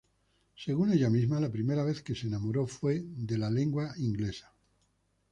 Según ella misma, la primera vez que se enamoró fue de la Lengua Inglesa.